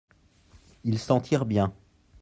Il s’en tire bien.